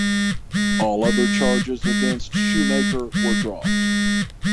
All other charges against Sheumaker were dropped.